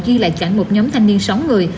ghi lại cảnh một nhóm thanh niên sáu người